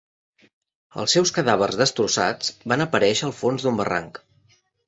Els seus cadàvers destrossats van aparèixer al fons d'un barranc.